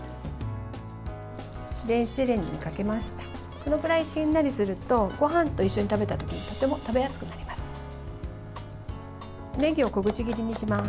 このぐらいしんなりするとごはんと一緒に食べたときにとても食べやすくなります。